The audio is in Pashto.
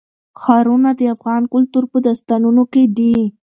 ښارونه د افغان کلتور په داستانونو کې دي.